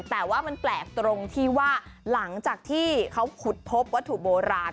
แต่ว่ามันแปลกตรงที่ว่าหลังจากที่เขาขุดพบวัตถุโบราณ